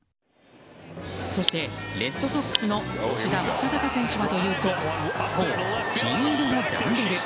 そして、レッドソックスの吉田正尚選手はというとそう、金色のダンベル。